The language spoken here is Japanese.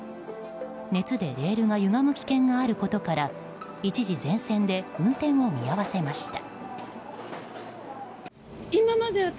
熱でレールがゆがむ危険があることから一時、全線で運転を見合わせました。